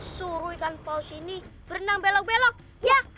suruh ikan paus ini berenang belok belok ya